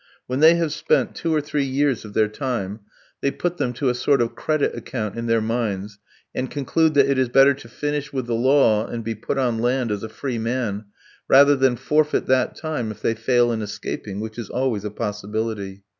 When they have spent two or three years of their time, they put them to a sort of credit account in their minds, and conclude that it is better to finish with the law and be put on land as a free man, rather than forfeit that time if they fail in escaping, which is always a possibility.